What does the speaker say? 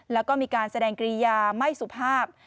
แล้วก็มีการแสดงกรียาไม่สุภาพ